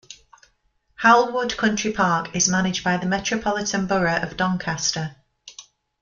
Howell Wood Country Park is managed by the Metropolitan Borough of Doncaster.